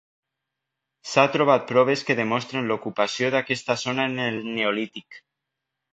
S'ha trobat proves que demostren l'ocupació d'aquesta zona en el neolític.